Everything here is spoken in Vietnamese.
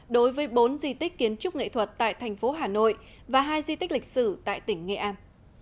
đối với bốn di tích kiến trúc nghệ thuật tại thành phố hà nội và hai di tích lịch sử tại tỉnh nghệ an